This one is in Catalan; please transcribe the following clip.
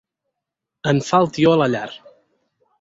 En fa el tió a la llar.